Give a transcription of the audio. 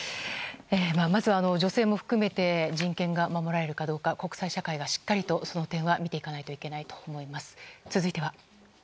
まず女性も含めて人権が守られるかどうか国際社会がしっかりとその点は見ておかないといけないと思います。